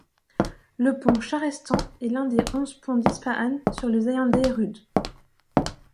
Le pont Chahrestan est l'un des onze ponts d'Ispahan sur le Zayandeh rud.